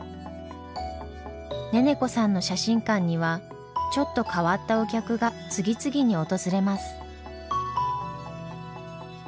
ネネコさんの写真館にはちょっと変わったお客が次々に訪れます。